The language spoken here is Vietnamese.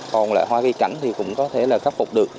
còn lại hoa cây cảnh thì cũng có thể là khắc phục được